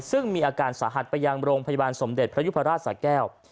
ซึ่งมีอาการสาหัสไปยังโรงพยาบาลสมเด็จพระยุพราชสาแก้ว